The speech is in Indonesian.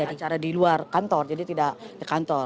ada cara di luar kantor jadi tidak di kantor